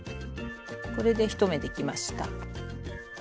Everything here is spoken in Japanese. これで１目できました。